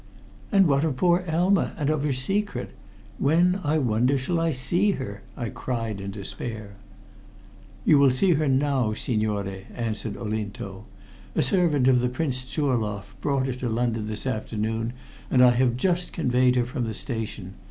"And what of poor Elma and of her secret? When, I wonder, shall I see her?" I cried in despair. "You will see her now, signore," answered Olinto. "A servant of the Princess Zurloff brought her to London this afternoon, and I have just conveyed her from the station.